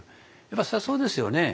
やっぱそりゃそうですよね。